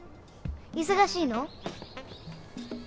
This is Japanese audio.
忙しいの？